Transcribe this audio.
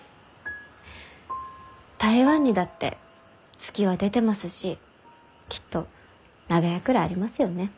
台湾にだって月は出てますしきっと長屋くらいありますよね？